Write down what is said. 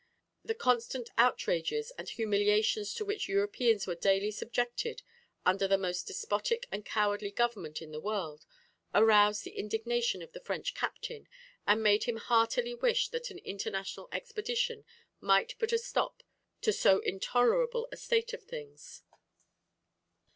The constant outrages and humiliations to which Europeans were daily subjected under the most despotic and cowardly government in the world, aroused the indignation of the French captain, and made him heartily wish that an international expedition might put a stop to so intolerable a state of things.